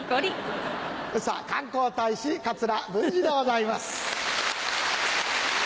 宇佐観光大使桂文治でございます。